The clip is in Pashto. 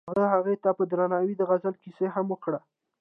هغه هغې ته په درناوي د غزل کیسه هم وکړه.